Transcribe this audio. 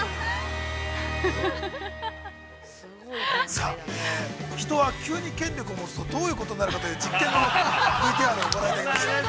◆さあ、人は急に権力を持つとどういうことになるかという実験のＶＴＲをご覧いただきました。